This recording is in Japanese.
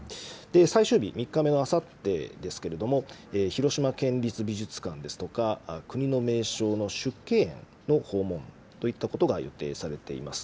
最終日、３日目のあさってですけれども、広島県立美術館ですとか、国の名勝の縮景園の訪問といったことが予定されています。